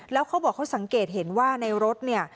แล้วเขาบอกเขาสังเกตเห็นว่าในรถเนี่ย